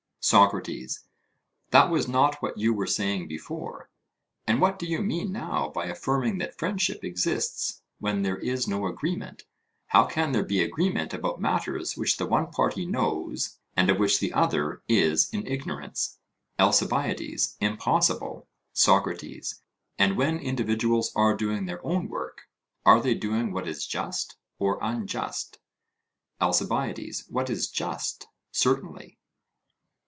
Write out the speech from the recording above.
SOCRATES: That was not what you were saying before; and what do you mean now by affirming that friendship exists when there is no agreement? How can there be agreement about matters which the one party knows, and of which the other is in ignorance? ALCIBIADES: Impossible. SOCRATES: And when individuals are doing their own work, are they doing what is just or unjust? ALCIBIADES: What is just, certainly.